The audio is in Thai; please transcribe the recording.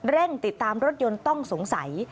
เร่งติดตามรถยนต์ต้องสงสัย